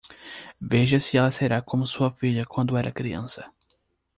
Veja se ela será como sua filha quando era criança.